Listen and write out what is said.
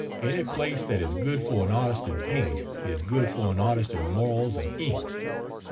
Any place that is good for an artist in paint is good for an artist in morals and ink.